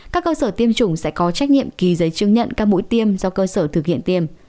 các cơ sở tiêm chủng sẽ có trách nhiệm kỳ giấy chứng nhận các mũi tiêm do cơ sở thực hiện tiêm